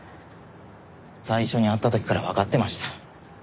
最初に会った時からわかってました。